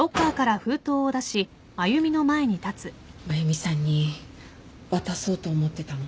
真由美さんに渡そうと思ってたの。